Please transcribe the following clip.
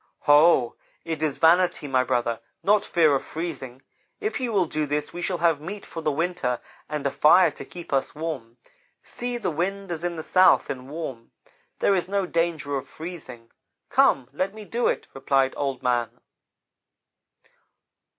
"'Ho! It is vanity, my brother, not fear of freezing. If you will do this we shall have meat for the winter, and a fire to keep us warm. See, the wind is in the south and warm. There is no danger of freezing. Come, let me do it,' replied Old man.